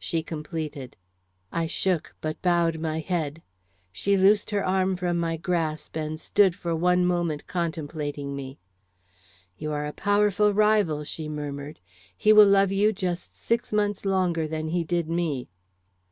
she completed. I shook, but bowed my head. She loosed her arm from my grasp and stood for one moment contemplating me. "You are a powerful rival," she murmured. "He will love you just six months longer than he did me."